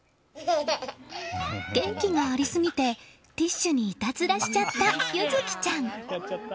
元気がありすぎてティッシュにいたずらしちゃった柚希ちゃん。